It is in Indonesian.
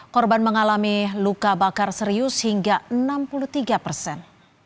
korban mengalami luka bakar serius hingga enam puluh tiga persen